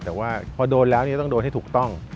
แต่ว่าพอโดนแล้วต้องโดนให้ถูกต้อง